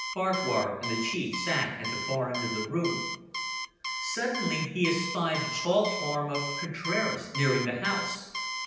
Farquhar and the Chief sat at the far end of the room. Suddenly he espied the tall form of Contraras nearing the house.